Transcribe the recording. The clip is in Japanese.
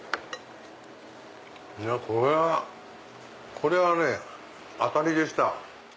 これはね当たりでした。